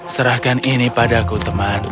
serahkan ini padaku teman